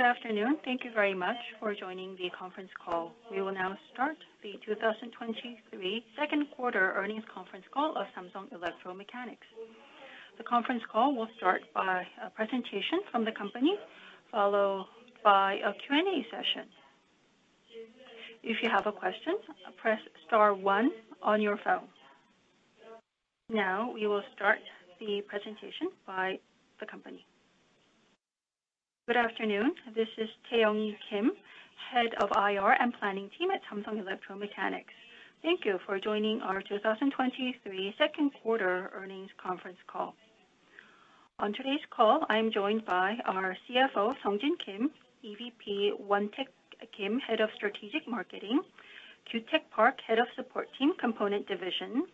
Good afternoon. Thank you very much for joining the conference call. We will now start the 2023 Q2 earnings conference call of Samsung Electro-Mechanics. The conference call will start by a presentation from the company, followed by a Q&A session. If you have a question, press star 1 on your phone. We will start the presentation by the company. Good afternoon. This is Taiyoung Kim, Head of IR and Planning Team at Samsung Electro-Mechanics. Thank you for joining our 2023 Q2 earnings conference call. On today's call, I am joined by our CFO, Sungjin Kim, EVP Won-Taek Kim, Head of Strategic Marketing, Kyutek Park, Head of Support Team, Component Division,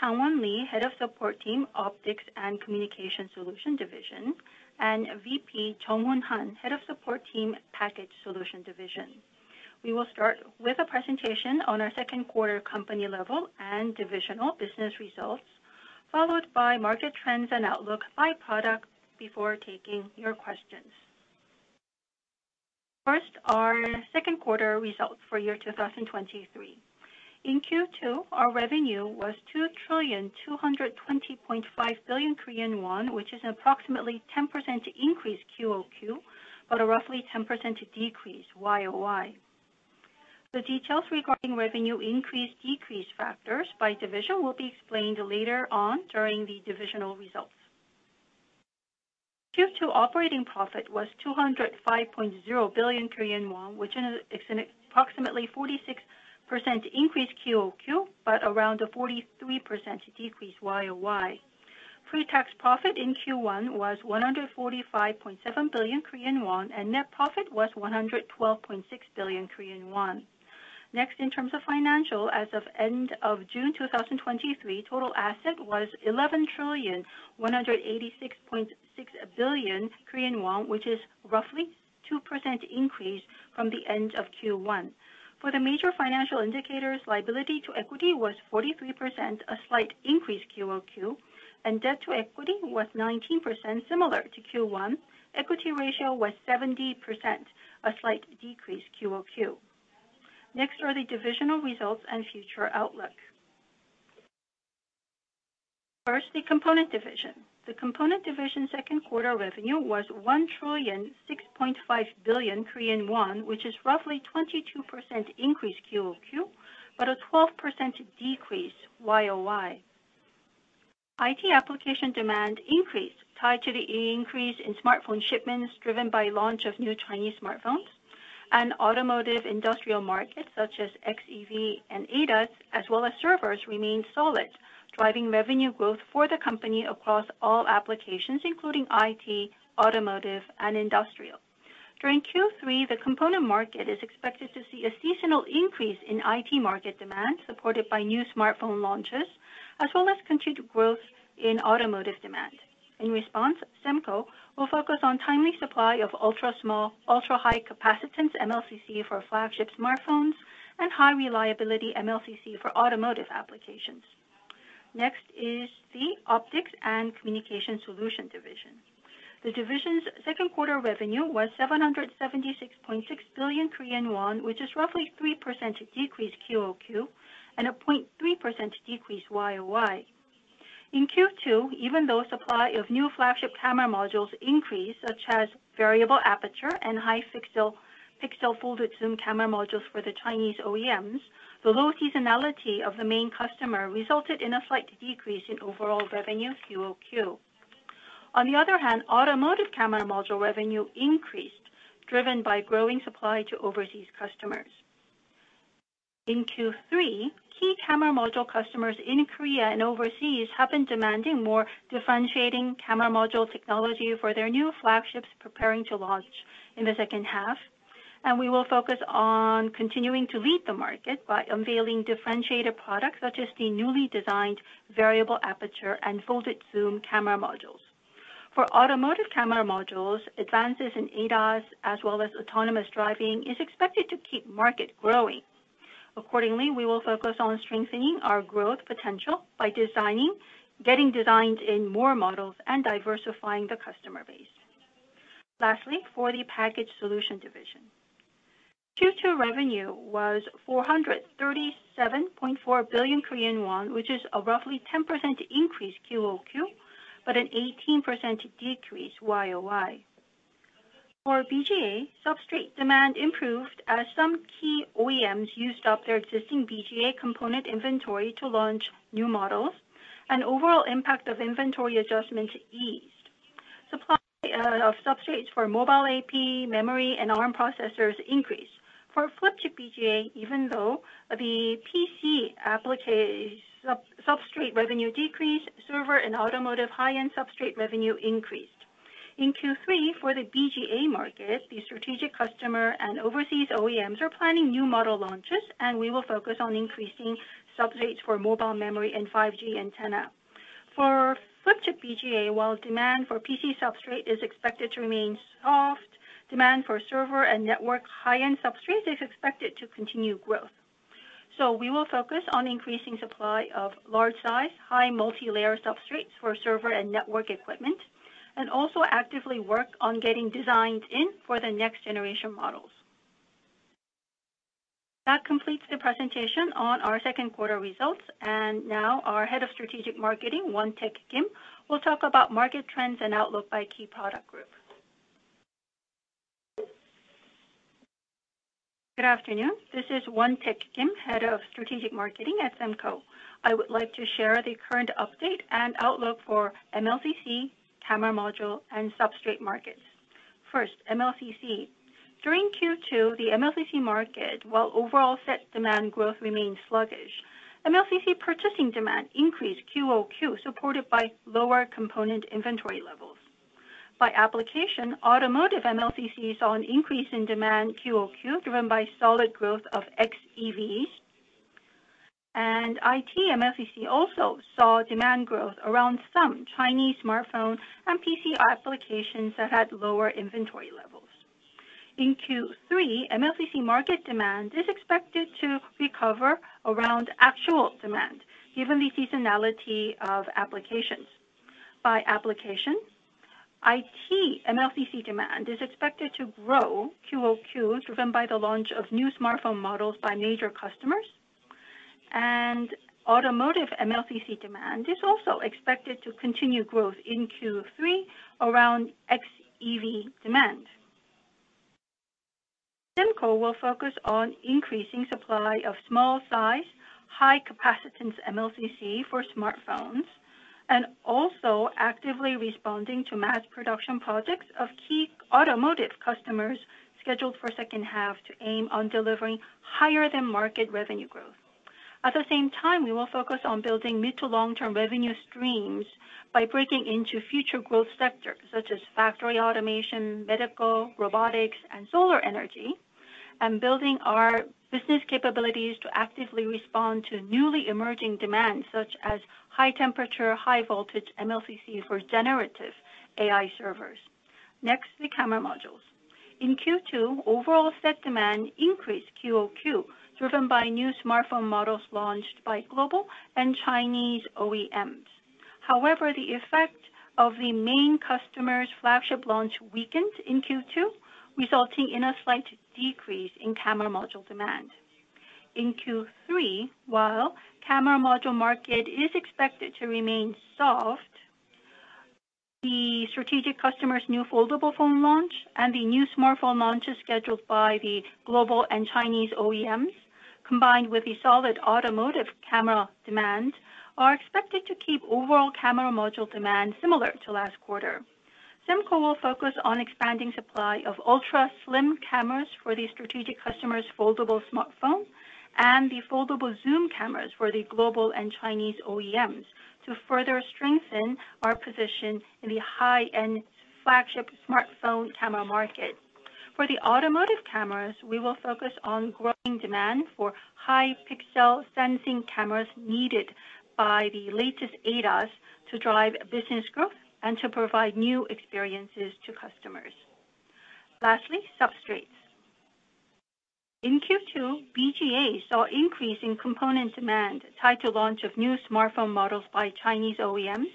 Changwon Lee, Head of Support Team, Optics and Communication Solution Division, and VP Jung Won Han, Head of Support Team, Package Solution Division. We will start with a presentation on our Q2 company level and divisional business results, followed by market trends and outlook by product before taking your questions. First, our Q2 results for 2023. In Q2, our revenue was 2,220.5 billion Korean won, which is approximately 10% increase QOQ, but a roughly 10% decrease YOY. The details regarding revenue increase, decrease factors by division will be explained later on during the divisional results. Q2 operating profit was 205.0 billion Korean won, which is an approximately 46% increase QOQ, but around a 43% decrease YOY. Pre-tax profit in Q1 was 145.7 billion Korean won, and net profit was 112.6 billion Korean won. Next, in terms of financial, as of end of June 2023, total asset was 11,186.6 billion Korean won, which is roughly 2% increase from the end of Q1. For the major financial indicators, liability to equity was 43%, a slight increase QOQ, and debt to equity was 19%, similar to Q1. Equity ratio was 70%, a slight decrease QOQ. Next are the divisional results and future outlook. First, the Component Division. The Component Division Q2 revenue was 1,006.5 billion Korean won, which is roughly 22% increase QOQ, but a 12% decrease YOY. IT application demand increased, tied to the increase in smartphone shipments, driven by launch of new Chinese smartphones and automotive industrial markets such as XEV and ADAS, as well as servers, remained solid, driving revenue growth for the company across all applications, including IT, automotive, and industrial. During Q3, the component market is expected to see a seasonal increase in IT market demand, supported by new smartphone launches, as well as continued growth in automotive demand. In response, SEMCO will focus on timely supply of ultra-small, ultra-high capacitance MLCC for flagship smartphones and high reliability MLCC for automotive applications. Next is the Optics and Communication Solution Division. The division's Q2 revenue was 776.6 billion Korean won, which is roughly 3% decrease QOQ and a 0.3% decrease YOY. In Q2, even though supply of new flagship camera modules increased, such as variable aperture and high-pixel folded zoom camera modules for the Chinese OEMs, the low seasonality of the main customer resulted in a slight decrease in overall revenue QOQ. On the other hand, automotive camera module revenue increased, driven by growing supply to overseas customers. In Q3, key camera module customers in Korea and overseas have been demanding more differentiating camera module technology for their new flagships preparing to launch in the second half. We will focus on continuing to lead the market by unveiling differentiated products, such as the newly designed variable aperture and folded zoom camera modules. For automotive camera modules, advances in ADAS as well as autonomous driving is expected to keep market growing. Accordingly, we will focus on strengthening our growth potential by getting designed in more models and diversifying the customer base. Lastly, for the Package Solution Division. Q2 revenue was 437.4 billion Korean won, which is a roughly 10% increase QOQ, but an 18% decrease YOY. For BGA, substrate demand improved as some key OEMs used up their existing BGA component inventory to launch new models, and overall impact of inventory adjustments eased. Supply of substrates for mobile AP, memory, and ARM processors increased. For flip chip BGA, even though the PC application sub-substrate revenue decreased, server and automotive high-end substrate revenue increased. In Q3, for the BGA market, the strategic customer and overseas OEMs are planning new model launches, and we will focus on increasing substrates for mobile memory and 5G antenna. For flip chip BGA, while demand for PC substrate is expected to remain soft, demand for server and network high-end substrates is expected to continue growth. We will focus on increasing supply of large size, high multilayer substrates for server and network equipment, and also actively work on getting designed in for the next generation models. That completes the presentation on our Q2 results. Now our Head of Strategic Marketing, Wontaek Kim, will talk about market trends and outlook by key product group. Good afternoon. This is Won-Taek Kim, Head of Strategic Marketing at SEMCO. I would like to share the current update and outlook for MLCC, camera module, and substrate markets. First, MLCC. During Q2, the MLCC market, while overall set demand growth remained sluggish, MLCC purchasing demand increased QOQ, supported by lower component inventory levels. By application, automotive MLCC saw an increase in demand QOQ, driven by solid growth of XEVs. IT MLCC also saw demand growth around some Chinese smartphone and PC applications that had lower inventory levels. In Q3, MLCC market demand is expected to recover around actual demand, given the seasonality of applications. By application, IT MLCC demand is expected to grow QOQs, driven by the launch of new smartphone models by major customers. Automotive MLCC demand is also expected to continue growth in Q3 around XEV demand. SEMCO will focus on increasing supply of small size, high capacitance MLCC for smartphones, and also actively responding to mass production projects of key automotive customers scheduled for second half, to aim on delivering higher than market revenue growth. At the same time, we will focus on building mid to long-term revenue streams by breaking into future growth sectors such as factory automation, medical, robotics, and solar energy, and building our business capabilities to actively respond to newly emerging demands, such as high temperature, high voltage MLCCs for generative AI servers. Next, the camera modules. In Q2, overall set demand increased QOQ, driven by new smartphone models launched by global and Chinese OEMs. However, the effect of the main customer's flagship launch weakened in Q2, resulting in a slight decrease in camera module demand. In Q3, while camera module market is expected to remain soft, the strategic customer's new foldable phone launch and the new smartphone launches scheduled by the global and Chinese OEMs, combined with the solid automotive camera demand, are expected to keep overall camera module demand similar to last quarter. SEMCO will focus on expanding supply of ultra-slim cameras for the strategic customer's foldable smartphone, and the foldable zoom cameras for the global and Chinese OEMs, to further strengthen our position in the high-end flagship smartphone camera market. For the automotive cameras, we will focus on growing demand for high-pixel sensing cameras needed by the latest ADAS to drive business growth and to provide new experiences to customers. Lastly, substrates. In Q2, BGA saw increase in component demand tied to launch of new smartphone models by Chinese OEMs,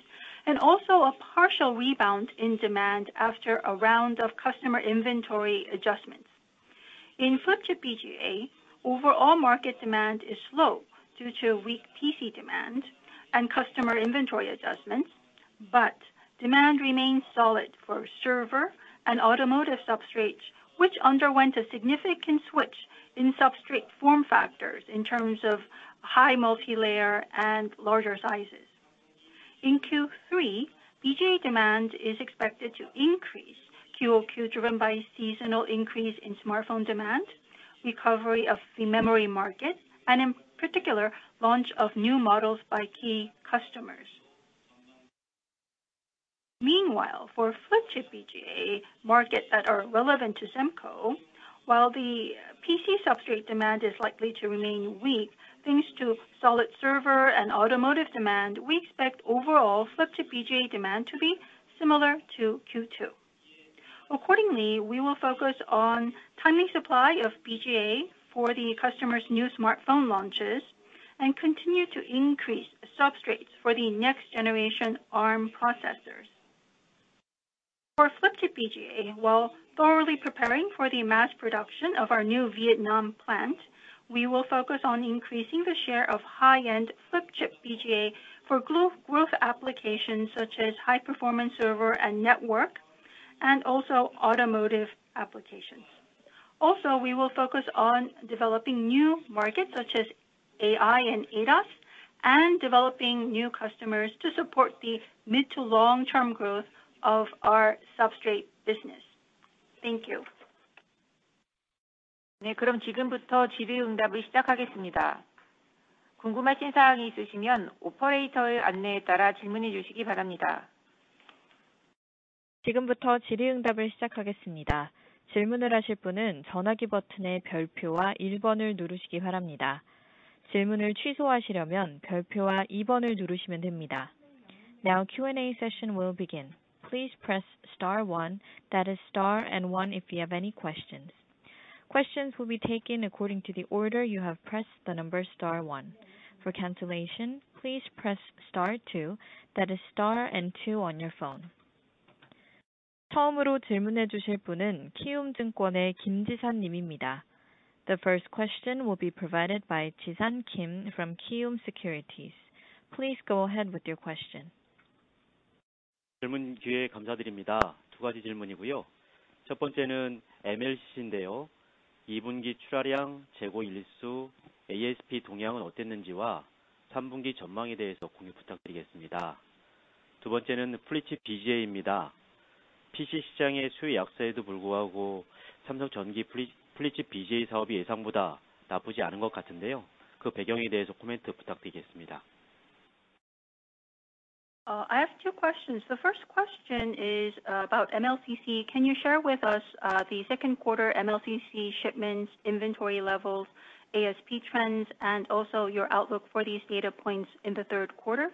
and also a partial rebound in demand after a round of customer inventory adjustments. In flip chip BGA, overall market demand is slow due to weak PC demand and customer inventory adjustments, but demand remains solid for server and automotive substrates, which underwent a significant switch in substrate form factors in terms of high multilayer and larger sizes. In Q3, BGA demand is expected to increase QOQ, driven by seasonal increase in smartphone demand, recovery of the memory market, and in particular, launch of new models by key customers. Meanwhile, for flip chip BGA markets that are relevant to SEMCO, while the PC substrate demand is likely to remain weak, thanks to solid server and automotive demand, we expect overall flip chip BGA demand to be similar to Q2. Accordingly, we will focus on timely supply of BGA for the customer's new smartphone launches and continue to increase substrates for the next generation ARM processors. For flip chip BGA, while thoroughly preparing for the mass production of our new Vietnam plant, we will focus on increasing the share of high-end flip chip BGA for growth applications such as high performance server and network, and also automotive applications. We will focus on developing new markets such as AI and ADAS, and developing new customers to support the mid to long-term growth of our substrate business. Thank you. Now Q&A session will begin. Please press star one, that is star and one, if you have any questions. Questions will be taken according to the order you have pressed the number star one. For cancellation, please press star two, that is star and two on your phone. The first question will be provided by Ji-San Kim from KIWOOM Securities. Please go ahead with your question. I have two questions. The first question is about MLCC. Can you share with us the Q2 MLCC shipments, inventory levels, ASP trends, and also your outlook for these data points in the Q3?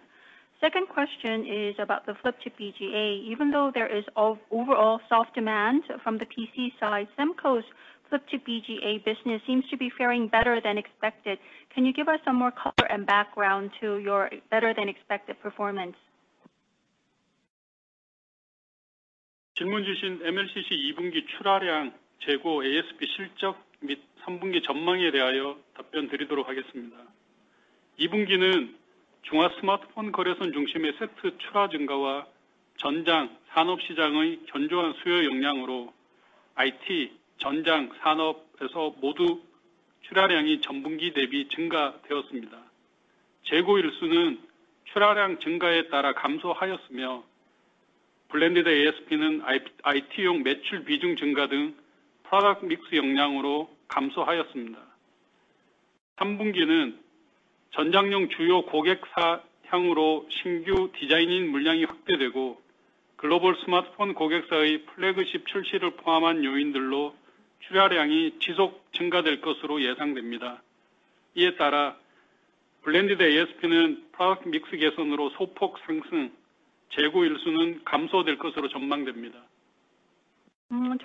Second question is about the flip chip BGA. Even though there is overall soft demand from the PC side, SEMCO's flip chip BGA business seems to be faring better than expected. Can you give us some more color and background to your better than expected performance? To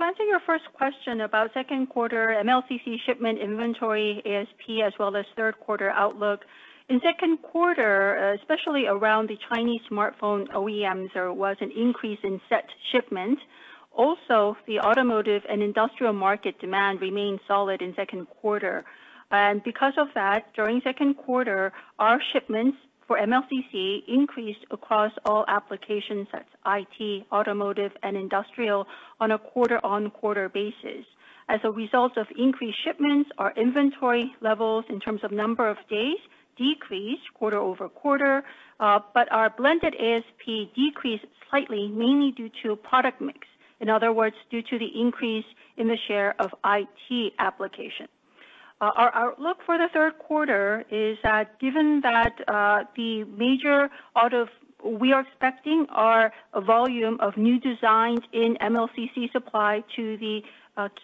answer your first question about Q2 MLCC shipment inventory, ASP, as well as Q3 outlook. In Q2, especially around the Chinese smartphone OEMs, there was an increase in set shipment. Also, the automotive and industrial market demand remained solid in Q2. Because of that, during Q2, our shipments for MLCC increased across all applications, that's IT, automotive, and industrial, on a quarter-on-quarter basis. As a result of increased shipments, our inventory levels in terms of number of days, decreased quarter-over-quarter. Our blended ASP decreased slightly, mainly due to product mix. In other words, due to the increase in the share of IT application. Our look for the Q3 is that given that, the major out of... We are expecting our volume of new designs in MLCC supply to the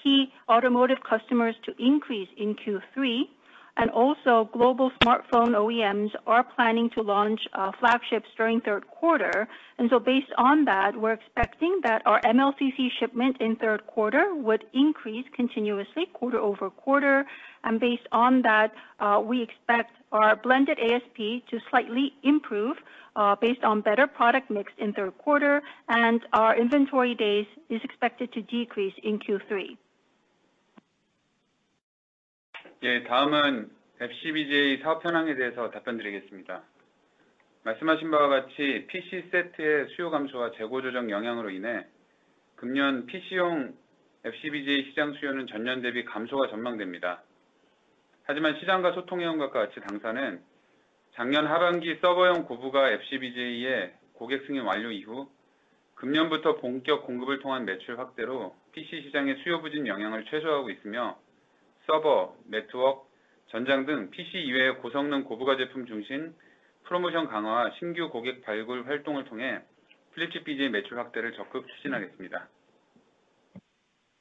key automotive customers to increase in Q3. Global smartphone OEMs are planning to launch flagships during Q3. Based on that, we're expecting that our MLCC shipment in Q3 would increase continuously, quarter-over-quarter. Based on that, we expect our blended ASP to slightly improve based on better product mix in Q3, and our inventory days is expected to decrease in Q3.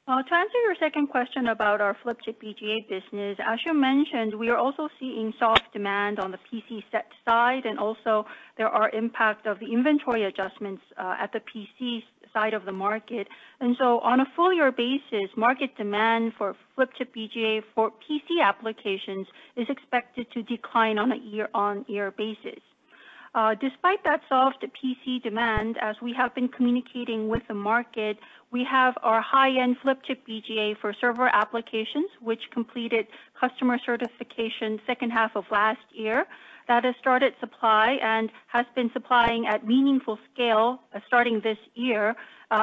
To answer your second question about our flip chip BGA business. As you mentioned, we are also seeing soft demand on the PC set side, and also there are impact of the inventory adjustments at the PC side of the market. On a full year basis, market demand for flip chip BGA for PC applications is expected to decline on a YOY basis. Despite that soft PC demand, as we have been communicating with the market, we have our high-end flip chip BGA for server applications, which completed customer certification 2nd half of last year. That has started supply and has been supplying at meaningful scale, starting this year,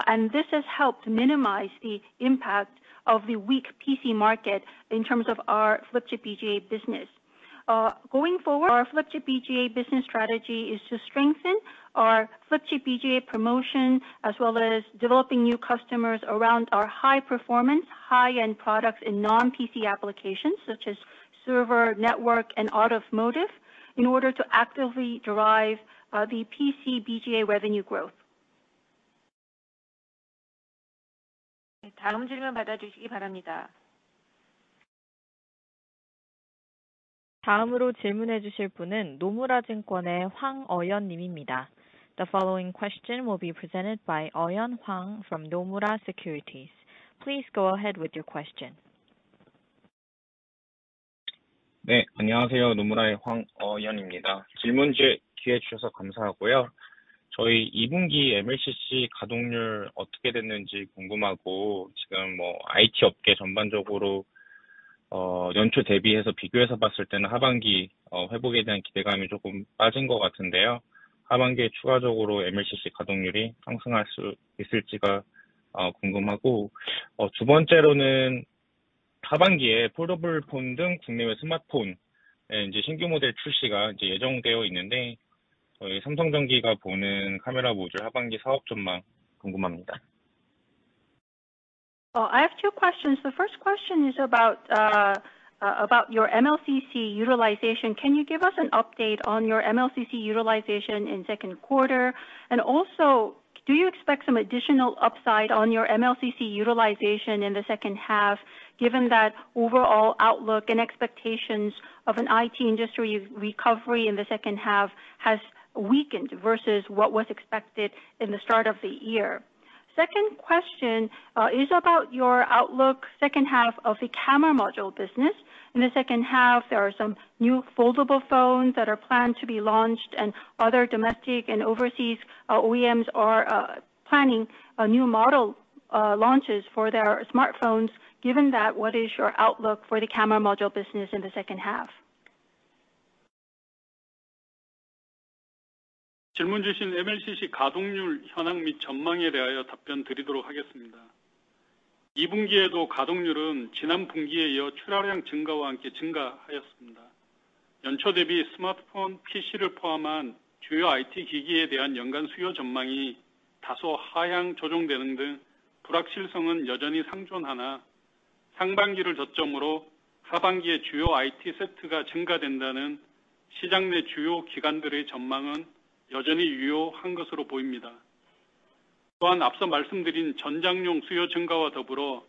and this has helped minimize the impact of the weak PC market in terms of our flip chip BGA business. Going forward, our flip chip BGA business strategy is to strengthen our flip chip BGA promotion, as well as developing new customers around our high performance, high-end products in non-PC applications, such as server, network, and automotive, in order to actively drive the PC BGA revenue growth. 다음 질문 받아주시기 바랍니다. 다음으로 질문해 주실 분은 노무라 증권의 황어연 님입니다. The following question will be presented by Eoyeon Hwang from Nomura Securities. Please go ahead with your question. 네, 안녕하세요. 노무라의 황어연입니다. 질문 기회 주셔서 감사하고요. 저희 이 분기 MLCC 가동률 어떻게 됐는지 궁금하고, 지금 뭐 IT 업계 전반적으로 어, 연초 대비해서 비교해서 봤을 때는 하반기 어, 회복에 대한 기대감이 조금 빠진 것 같은데요. 하반기에 추가적으로 MLCC 가동률이 상승할 수 있을지가 어, 궁금하고. 어, 두 번째로는 하반기에 폴더블폰 등 국내외 스마트폰에 이제 신규 모델 출시가 이제 예정되어 있는데, 저희 삼성전기가 보는 카메라 모듈 하반기 사업 전망 궁금합니다. I have 2 questions. The first question is about your MLCC utilization. Can you give us an update on your MLCC utilization in 2nd quarter? Also, do you expect some additional upside on your MLCC utilization in the 2nd half, given that overall outlook and expectations of an IT industry recovery in the 2nd half has weakened versus what was expected in the start of the year? Second question is about your outlook 2nd half of the camera module business. In the 2nd half, there are some new foldable phones that are planned to be launched and other domestic and overseas OEMs are planning new model launches for their smartphones. Given that, what is your outlook for the camera module business in the 2nd half? 질문 주신 MLCC 가동률 현황 및 전망에 대하여 답변 드리도록 하겠습니다. 이 분기에도 가동률은 지난 분기에 이어 출하량 증가와 함께 증가하였습니다. 연초 대비 스마트폰, PC를 포함한 주요 IT 기기에 대한 연간 수요 전망이 다소 하향 조정되는 등 불확실성은 여전히 상존하나, 상반기를 저점으로 하반기에 주요 IT 섹터가 증가된다는 시장 내 주요 기관들의 전망은 여전히 유효한 것으로 보입니다. 앞서 말씀드린 전장용 수요 증가와 더불어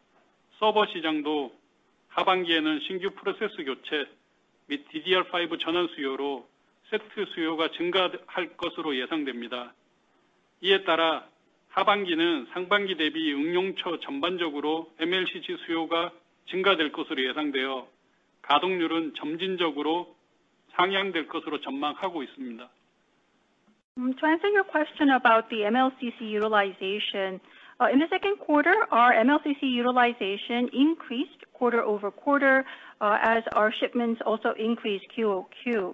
서버 시장도 하반기에는 신규 프로세스 교체 및 DDR5 전환 수요로 섹터 수요가 증가할 것으로 예상됩니다. 하반기는 상반기 대비 응용처 전반적으로 MLCC 수요가 증가될 것으로 예상되어, 가동률은 점진적으로 상향될 것으로 전망하고 있습니다. To answer your question about the MLCC utilization. In the Q2, our MLCC utilization increased quarter-over-quarter, as our shipments also increased QOQ.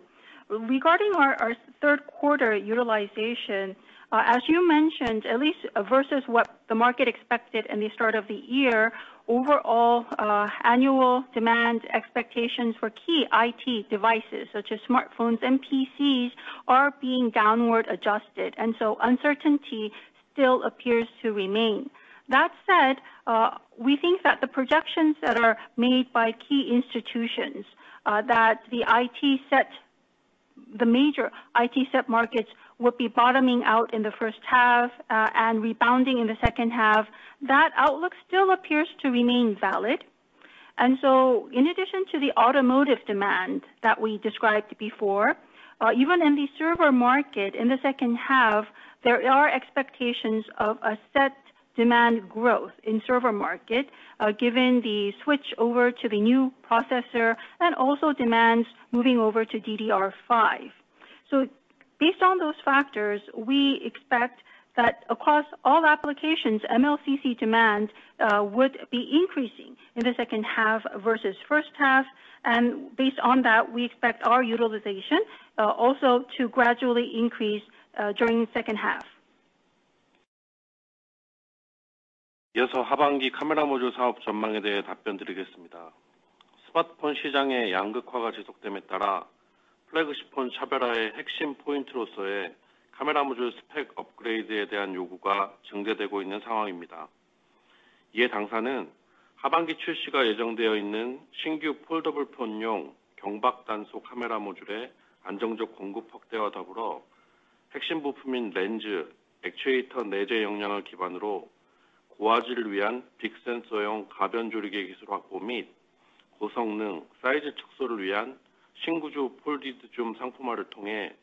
Regarding our Q3 utilization, as you mentioned, at least versus what the market expected in the start of the year, overall, annual demand expectations for key IT devices, such as smartphones and PCs, are being downward adjusted. Uncertainty still appears to remain. That said, we think that the projections that are made by key institutions, that the IT set, the major IT set markets will be bottoming out in the first half, and rebounding in the second half. That outlook still appears to remain valid. In addition to the automotive demand that we described before, even in the server market, in the second half, there are expectations of a set demand growth in server market, given the switch over to the new processor and also demands moving over to DDR5. Based on those factors, we expect that across all applications, MLCC demand would be increasing in the second half versus first half, and based on that, we expect our utilization also to gradually increase during the second half. 하반기 카메라 모듈 사업 전망에 대해 답변 드리겠습니다. 스마트폰 시장의 양극화가 지속됨에 따라 플래그십폰 차별화의 핵심 포인트로서의 카메라 모듈 스펙 업그레이드에 대한 요구가 증대되고 있는 상황입니다. 당사는 하반기 출시가 예정되어 있는 신규 폴더블폰용 경박단소 카메라 모듈의 안정적 공급 확대와 더불어 핵심 부품인 렌즈, 액추에이터 내재 역량을 기반으로 고화질을 위한 빅 센서용 가변 조리개 기술 확보 및 고성능, 사이즈 축소를 위한 신구조 folded zoom 상품화를 통해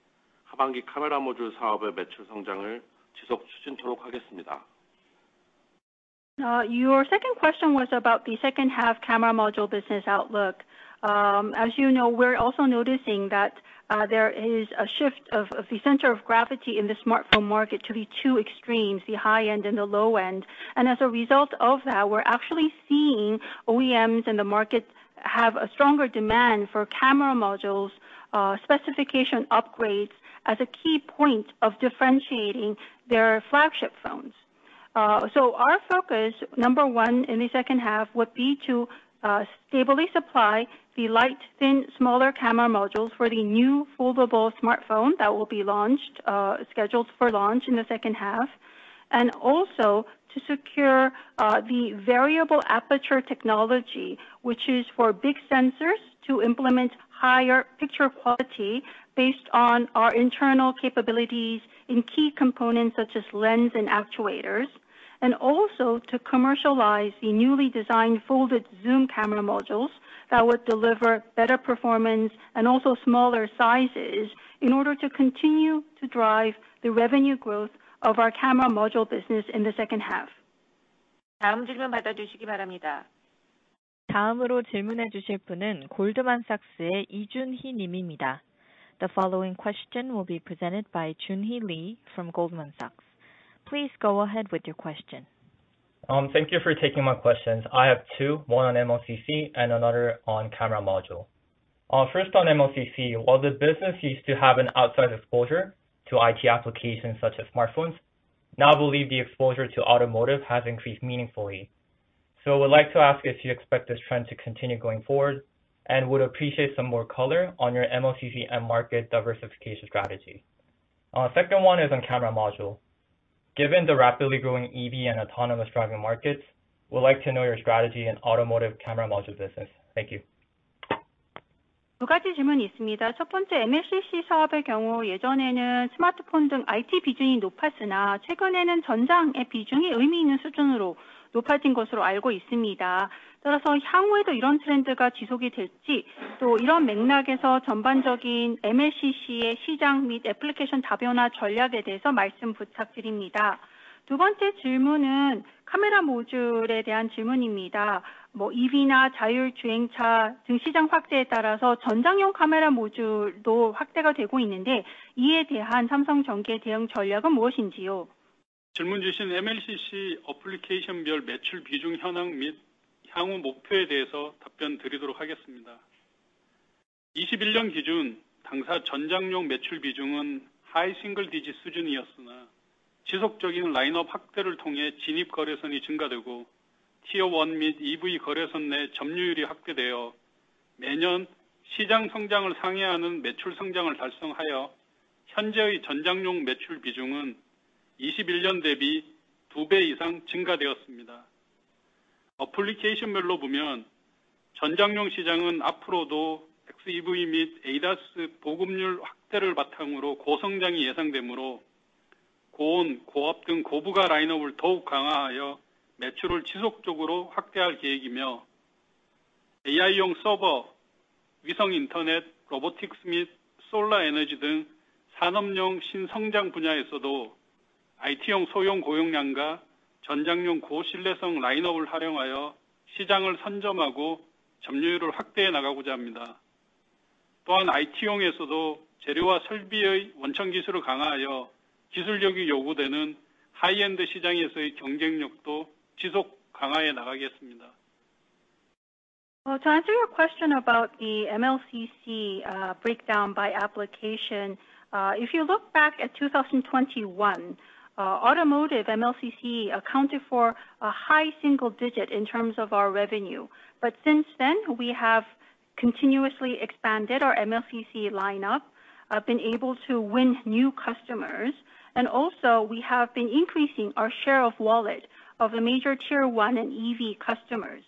하반기 카메라 모듈 사업의 매출 성장을 지속 추진토록 하겠습니다. Your second question was about the second half camera module business outlook. As you know, we're also noticing that there is a shift of the center of gravity in the smartphone market to the two extremes, the high end and the low end. As a result of that, we're actually seeing OEMs in the market have a stronger demand for camera modules, specification upgrades as a key point of differentiating their flagship phones. Our focus, number one, in the second half, would be to stably supply the light, thin, smaller camera modules for the new foldable smartphone that will be launched, scheduled for launch in the second half. Also to secure the variable aperture technology, which is for big sensors to implement higher picture quality based on our internal capabilities in key components, such as lens and actuators. Also to commercialize the newly designed folded zoom camera modules that would deliver better performance and also smaller sizes in order to continue to drive the revenue growth of our camera module business in the second half. The following question will be presented by Junhee Lee from Goldman Sachs. Please go ahead with your question. Thank you for taking my questions. I have two, one on MLCC and another on camera module. First on MLCC, while the business used to have an outsized exposure to IT applications such as smartphones, now I believe the exposure to automotive has increased meaningfully. I would like to ask if you expect this trend to continue going forward, and would appreciate some more color on your MLCC end market diversification strategy. Second one is on camera module. Given the rapidly growing EV and autonomous driving markets, we'd like to know your strategy in automotive camera module business. Thank you. Well, to answer your question about the MLCC breakdown by application, if you look back at 2021, automotive MLCC accounted for a high single-digit in terms of our revenue. Since then, we have continuously expanded our MLCC lineup, been able to win new customers, and also we have been increasing our share of wallet of the major Tier 1 and EV customers.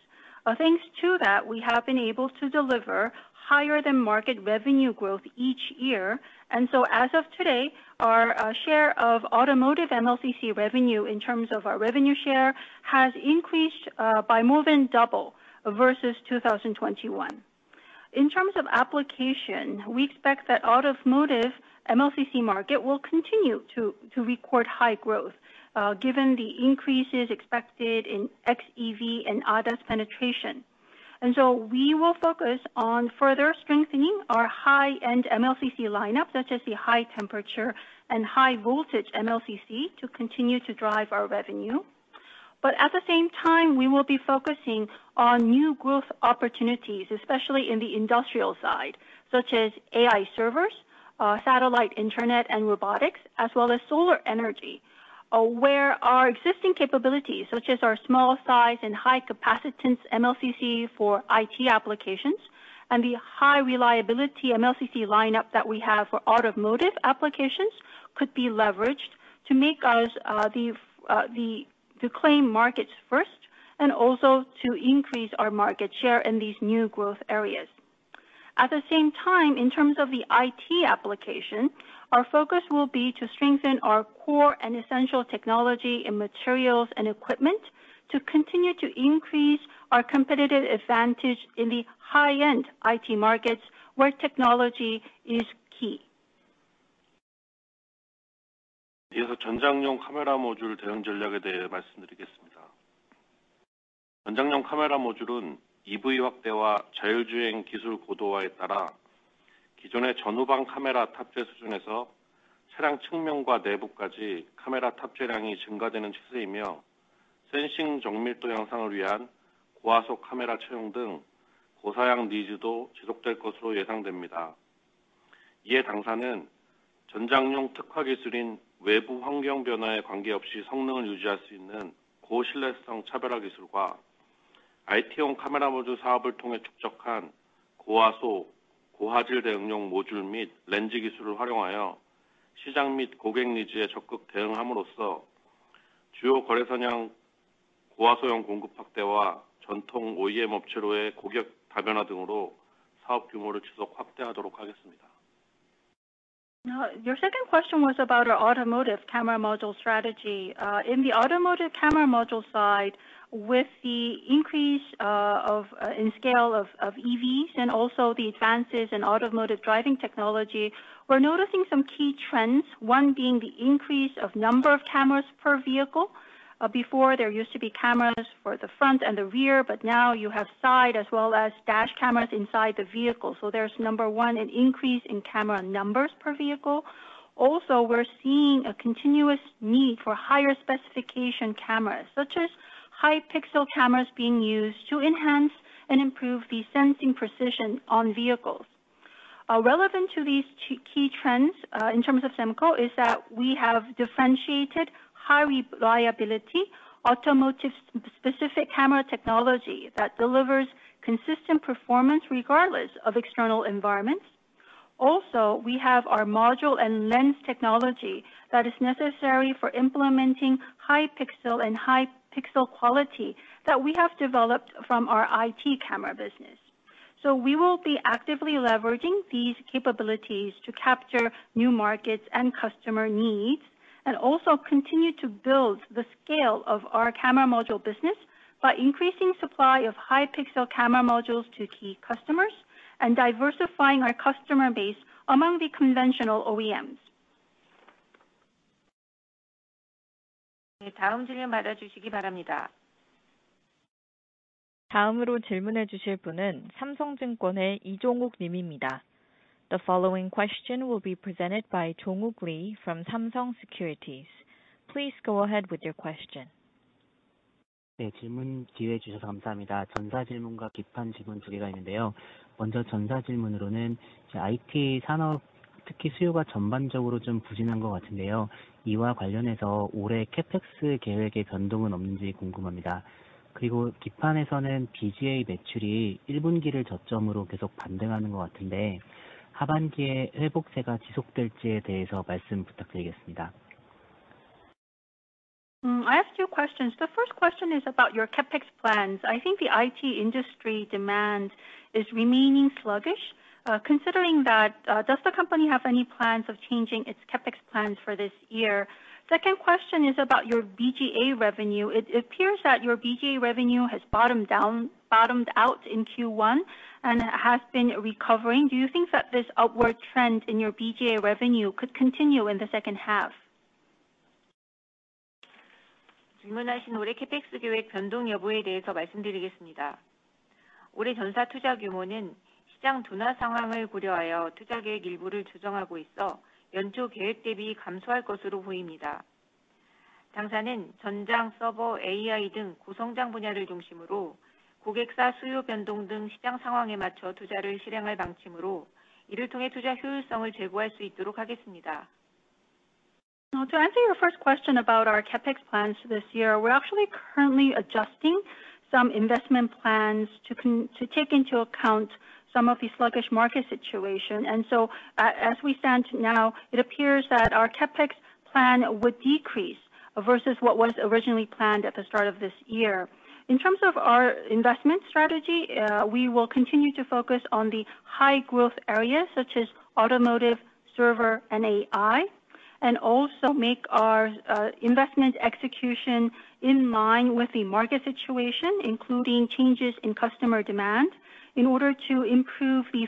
Thanks to that, we have been able to deliver higher than market revenue growth each year. As of today, our share of automotive MLCC revenue in terms of our revenue share has increased by more than double versus 2021. In terms of application, we expect that automotive MLCC market will continue to record high growth, given the increases expected in XEV and ADAS penetration. We will focus on further strengthening our high-end MLCC lineup, such as the high temperature and high voltage MLCC, to continue to drive our revenue. At the same time, we will be focusing on new growth opportunities, especially in the industrial side, such as AI servers, satellite internet, and robotics, as well as solar energy. Where our existing capabilities, such as our small size and high capacitance MLCC for IT applications, and the high reliability MLCC lineup that we have for automotive applications, could be leveraged to make us the to claim markets first, and also to increase our market share in these new growth areas. At the same time, in terms of the IT application, our focus will be to strengthen our core and essential technology in materials and equipment, to continue to increase our competitive advantage in the high-end IT markets, where technology is key. No, your second question was about our automotive camera module strategy. In the automotive camera module side, with the increase of in scale of EVs and also the advances in automotive driving technology, we're noticing some key trends. One being the increase of number of cameras per vehicle. Before there used to be cameras for the front and the rear, now you have side as well as dash cameras inside the vehicle. There's, number one, an increase in camera numbers per vehicle. We're seeing a continuous need for higher specification cameras, such as high-pixel cameras being used to enhance and improve the sensing precision on vehicles. Relevant to these two key trends, in terms of SEMCO, is that we have differentiated high reliability, automotive-specific camera technology that delivers consistent performance regardless of external environments. We have our module and lens technology that is necessary for implementing high-pixel and high-pixel quality that we have developed from our IT camera business. We will be actively leveraging these capabilities to capture new markets and customer needs, and also continue to build the scale of our camera module business by increasing supply of high-pixel camera modules to key customers and diversifying our customer base among the conventional OEMs. The following question will be presented by Jongwook Lee from Samsung Securities. Please go ahead with your question. I have two questions. The first question is about your CapEx plans. I think the IT industry demand is remaining sluggish. Considering that, does the company have any plans of changing its CapEx plans for this year? Second question is about your BGA revenue. It appears that your BGA revenue has bottomed out in Q1 and has been recovering. Do you think that this upward trend in your BGA revenue could continue in the second half? To answer your first question about our CapEx plans this year, we're actually currently adjusting some investment plans to take into account some of the sluggish market situation. As we stand now, it appears that our CapEx plan would decrease versus what was originally planned at the start of this year. In terms of our investment strategy, we will continue to focus on the high growth areas such as automotive, server, and AI, and also make our investment execution in line with the market situation, including changes in customer demand, in order to improve the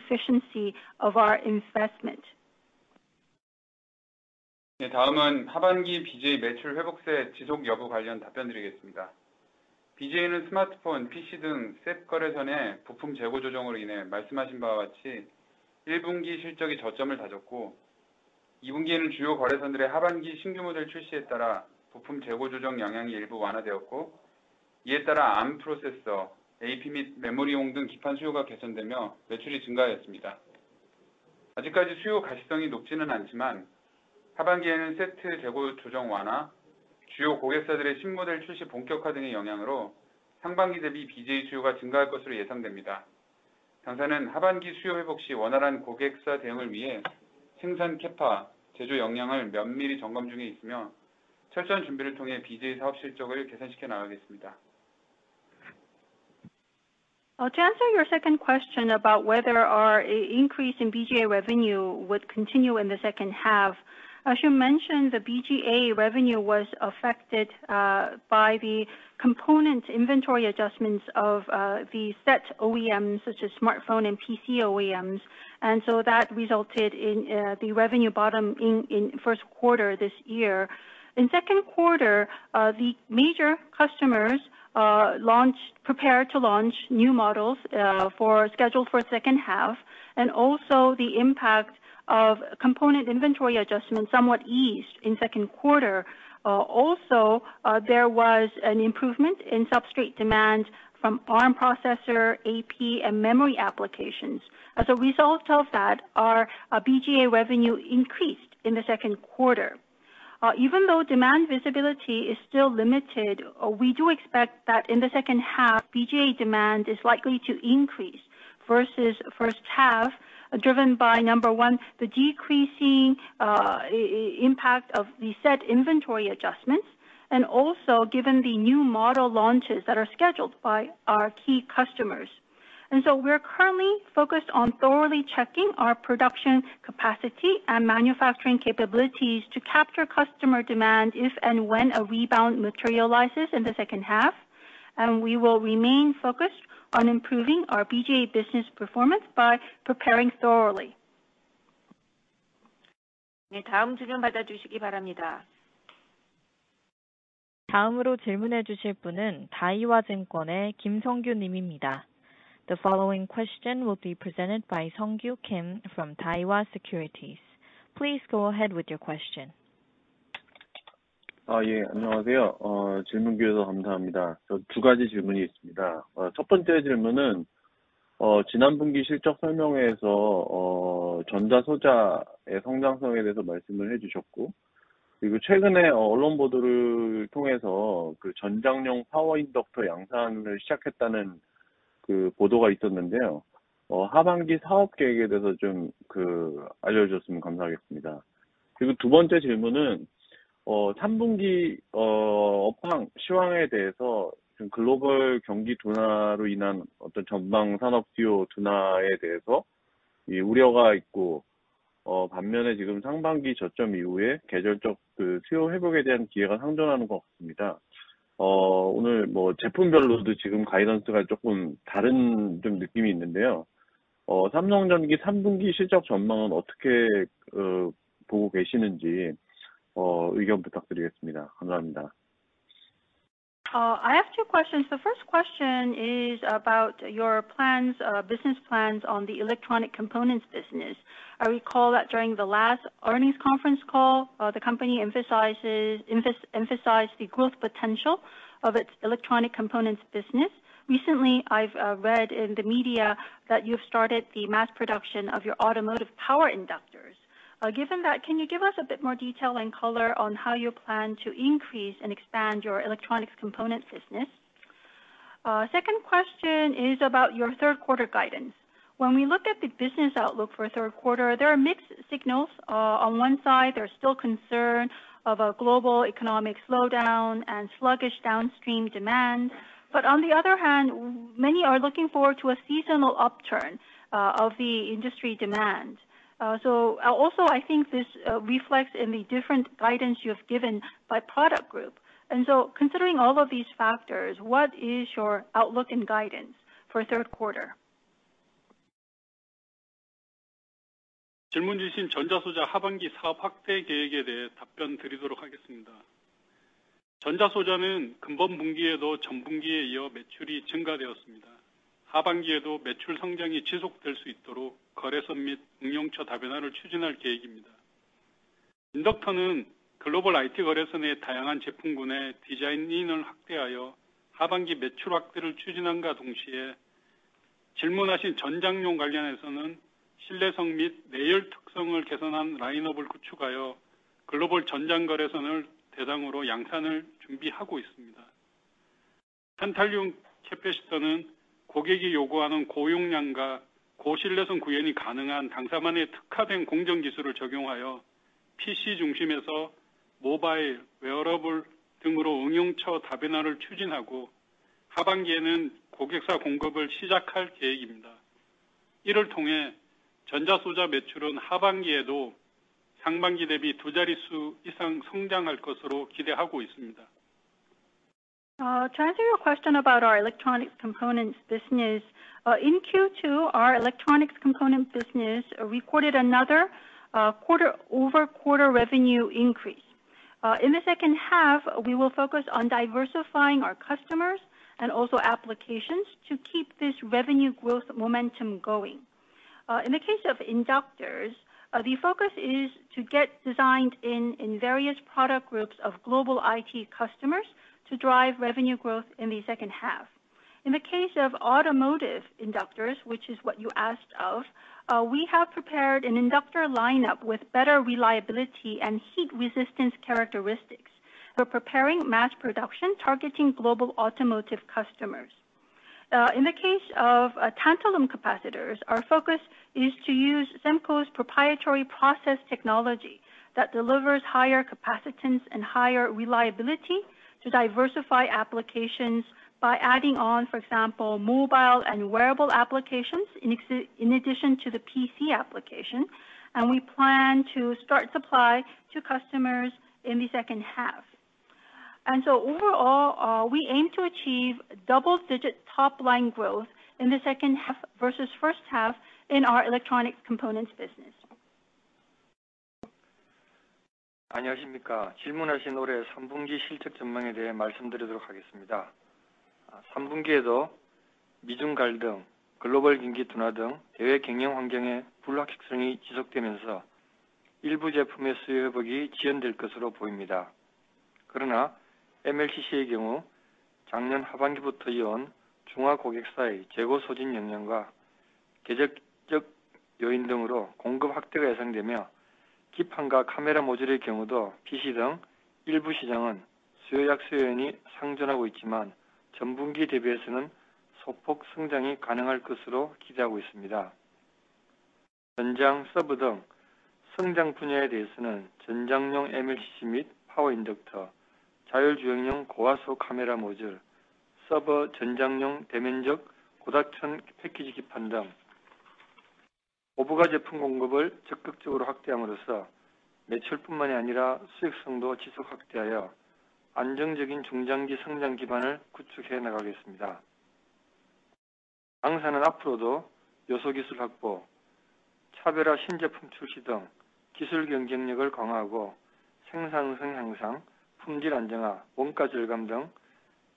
efficiency of our investment. To answer your second question about whether our increase in BGA revenue would continue in the second half, as you mentioned, the BGA revenue was affected by the component inventory adjustments of the set OEMs, such as smartphone and PC OEMs, and so that resulted in the revenue bottom in first quarter this year. In Q2, the major customers launched, prepared to launch new models for scheduled for second half, and also the impact of component inventory adjustments somewhat eased in Q2. Also, there was an improvement in substrate demand from ARM processor, AP, and memory applications. As a result of that, our BGA revenue increased in the 2nd quarter. Even though demand visibility is still limited, we do expect that in the 2nd half, BGA demand is likely to increase versus 1st half, driven by, number 1, the decreasing impact of the set inventory adjustments. Also given the new model launches that are scheduled by our key customers. We are currently focused on thoroughly checking our production capacity and manufacturing capabilities to capture customer demand if and when a rebound materializes in the 2nd half. We will remain focused on improving our BGA business performance by preparing thoroughly. The following question will be presented by Song Kim from Daiwa Securities. Please go ahead with your question. Yeah. 안녕하세요. 질문 기회도 감사합니다. 저두 가지 질문이 있습니다. 첫 번째 질문은 지난 분기 실적 설명회에서 전자 소자의 성장성에 대해서 말씀을 해주셨고, 최근에 언론 보도를 통해서 그 전장용 power inductors 양산을 시작했다는 그 보도가 있었는데요. 하반기 사업 계획에 대해서 좀그 알려주셨으면 감사하겠습니다. 두 번째 질문은 3분기 업황 시황에 대해서 지금 글로벌 경기 둔화로 인한 어떤 전망 산업 수요 둔화에 대해서 이 우려가 있고, 반면에 지금 상반기 저점 이후에 계절적 그 수요 회복에 대한 기회가 상존하는 것 같습니다. 오늘 뭐 제품별로도 지금 가이던스가 조금 다른 좀 느낌이 있는데요. 삼성전기 3분기 실적 전망은 어떻게 보고 계시는지 의견 부탁드리겠습니다. 감사합니다. I have two questions. The first question is about your plans, business plans on the electronic components business. I recall that during the last earnings conference call, the company emphasized the growth potential of its electronic components business. Recently, I've read in the media that you've started the mass production of your automotive power inductors. Given that, can you give us a bit more detail and color on how you plan to increase and expand your electronics components business? Second question is about your Q3 guidance. When we look at the business outlook for Q3, there are mixed signals. On one side, there's still concern of a global economic slowdown and sluggish downstream demand, but on the other hand, many are looking forward to a seasonal upturn of the industry demand. Also, I think this reflects in the different guidance you have given by product group. Considering all of these factors, what is your outlook and guidance for Q3? 질문 주신 전자소자 하반기 사업 확대 계획에 대해 답변 드리도록 하겠습니다. 전자소자는 금번 분기에도 전분기에 이어 매출이 증가되었습니다. 하반기에도 매출 성장이 지속될 수 있도록 거래선 및 응용처 다변화를 추진할 계획입니다. 인덕터는 글로벌 IT 거래선의 다양한 제품군에 디자인인을 확대하여 하반기 매출 확대를 추진함과 동시에 질문하신 전장용 관련해서는 신뢰성 및 내열 특성을 개선한 라인업을 구축하여, 글로벌 전장 거래선을 대상으로 양산을 준비하고 있습니다. 탄탈륨 캐패시터는 고객이 요구하는 고용량과 고신뢰성 구현이 가능한 당사만의 특화된 공정 기술을 적용하여 PC 중심에서 모바일, 웨어러블 등으로 응용처 다변화를 추진하고, 하반기에는 고객사 공급을 시작할 계획입니다. 이를 통해 전자소자 매출은 하반기에도 상반기 대비 두 자릿수 이상 성장할 것으로 기대하고 있습니다. To answer your question about our electronic components business. In Q2, our electronics component business recorded another quarter-over-quarter revenue increase. In the second half, we will focus on diversifying our customers and also applications to keep this revenue growth momentum going. In the case of inductors, the focus is to get designed in various product groups of global IT customers to drive revenue growth in the second half. In the case of automotive inductors, which is what you asked of, we have prepared an inductor lineup with better reliability and heat resistance characteristics. We're preparing mass production, targeting global automotive customers. In the case of, tantalum capacitors, our focus is to use SEMCO's proprietary process technology that delivers higher capacitance and higher reliability to diversify applications by adding on, for example, mobile and wearable applications, in addition to the PC application, we plan to start supply to customers in the second half. Overall, we aim to achieve double digit top line growth in the second half versus first half in our electronic components business. 안녕하십니까? 질문하신 올해 3분기 실적 전망에 대해 말씀드리도록 하겠습니다. 3분기에도 미중 갈등, 글로벌 경기 둔화 등 해외 경영 환경의 불확실성이 지속되면서 일부 제품의 수요 회복이 지연될 것으로 보입니다. MLCC의 경우, 작년 하반기부터 이어온 중화 고객사의 재고 소진 영향과 계절적 요인 등으로 공급 확대가 예상되며, 기판과 카메라 모듈의 경우도 PC 등 일부 시장은 수요 약수 요인이 상존하고 있지만, 전분기 대비해서는 소폭 성장이 가능할 것으로 기대하고 있습니다.... 전장, 서버 등 성장 분야에 대해서는 전장용 MLCC 및 파워 인덕터, 자율주행용 고화소 카메라 모듈, 서버 전장용 대면적 고다층 패키지 기판 등 고부가 제품 공급을 적극적으로 확대함으로써 매출뿐만이 아니라 수익성도 지속 확대하여 안정적인 중장기 성장 기반을 구축해 나가겠습니다. 당사는 앞으로도 요소 기술 확보, 차별화 신제품 출시 등 기술 경쟁력을 강화하고 생산성 향상, 품질 안정화, 원가 절감 등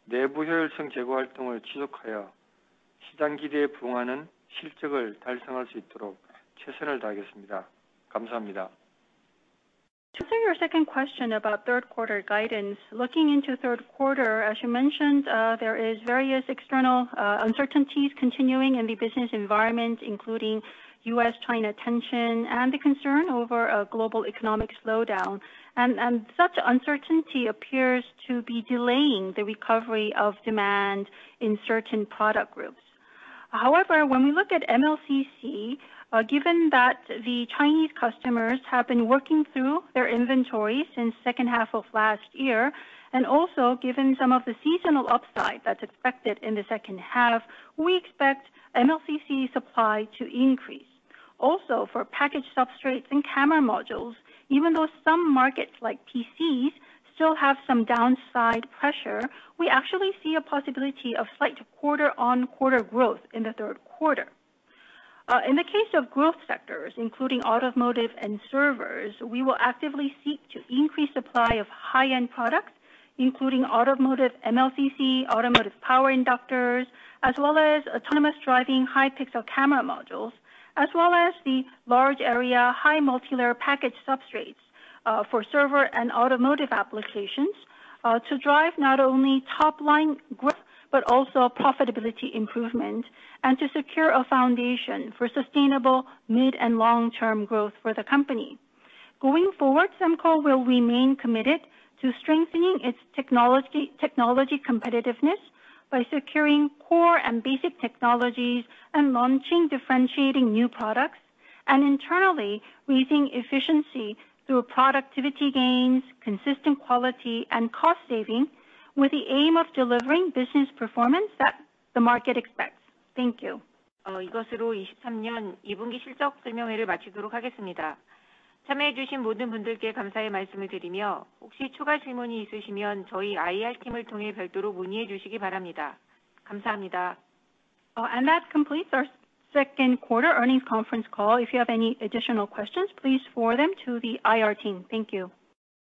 내부 효율성 제고 활동을 지속하여 시장 기대에 부응하는 실적을 달성할 수 있도록 최선을 다하겠습니다. 감사합니다. To your second question about Q3 guidance, looking into Q3, as you mentioned, there is various external uncertainties continuing in the business environment, including U.S., China tension, and the concern over a global economic slowdown. Such uncertainty appears to be delaying the recovery of demand in certain product groups. However, when we look at MLCC, given that the Chinese customers have been working through their inventory since second half of last year, and also given some of the seasonal upside that's expected in the second half, we expect MLCC supply to increase. Also, for packaged substrates and camera modules, even though some markets like PCs still have some downside pressure, we actually see a possibility of slight quarter-on-quarter growth in the Q3. In the case of growth sectors, including automotive and servers, we will actively seek to increase supply of high-end products, including automotive MLCC, automotive power inductors, as well as autonomous driving, high-pixel camera modules, as well as the large area, high multilayer packaged substrates for server and automotive applications to drive not only top-line growth, but also profitability improvement and to secure a foundation for sustainable mid- and long-term growth for the company. Going forward, SEMCO will remain committed to strengthening its technology competitiveness by securing core and basic technologies and launching differentiating new products, and internally raising efficiency through productivity gains, consistent quality, and cost-saving, with the aim of delivering business performance that the market expects. Thank you. 이것으로 2023년 2Q 실적 설명회를 마치도록 하겠습니다. 참여해 주신 모든 분들께 감사의 말씀을 드리며, 혹시 추가 질문이 있으시면 저희 IR Team을 통해 별도로 문의해 주시기 바랍니다. 감사합니다. That completes our Q2 earnings conference call. If you have any additional questions, please forward them to the IR team. Thank you.